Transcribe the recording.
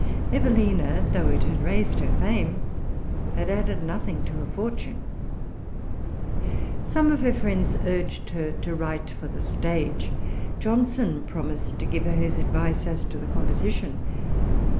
Evelina, though it had raised her fame, had added nothing to her fortune. Some of her friends urged her to write for the stage. Johnson promised to give her his advice as to the composition.